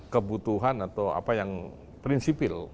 kebutuhan atau apa yang prinsipil